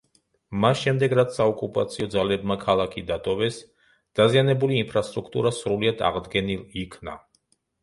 მას შემდეგ რაც საოკუპაციო ძალებმა ქალაქი დატოვეს დაზიანებული ინფრასტრუქტურა სრულად აღდგენილ იქნა.